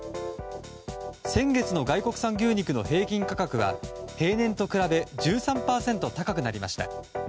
先月の外国産牛肉の平均価格は平年と比べ１３％高くなりました。